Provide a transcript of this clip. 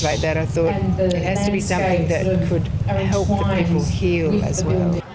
saya pikir harus menjadi sesuatu yang bisa membantu orang orang untuk sembuh juga